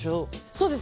そうです。